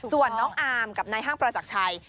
ส่วนน้องอาร์มกับนายห้างประจักรชัย